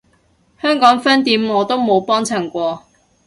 香港分店我都冇幫襯過